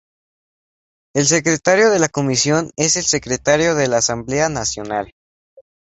El secretario de la Comisión es el secretario de la Asamblea Nacional.